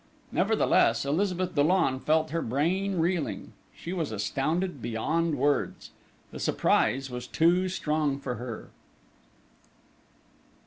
Nevertheless, Elizabeth Dollon felt her brain reeling she was astounded beyond words.... The surprise was too strong for her....